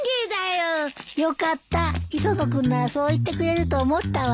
よかった磯野君ならそう言ってくれると思ったわ。